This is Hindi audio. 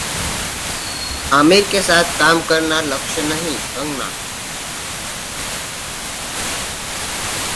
आमिर के साथ काम करना लक्ष्य नहीं: कंगना